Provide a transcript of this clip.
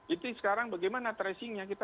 itu sekarang bagaimana tracingnya